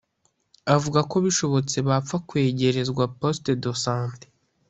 avuga ko bishobotse bapfa kwegerezwa Poste de Sante